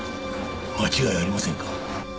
間違いありませんか？